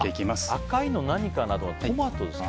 赤いの何かと思ったらトマトですか。